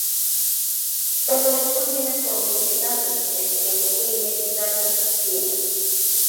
Todo ello culmina con un inquietante, al tiempo que inevitable, clímax.